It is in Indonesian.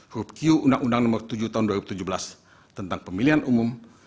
hubq undang undang nomor tujuh tahun dua ribu tujuh belas tentang pemilihan umum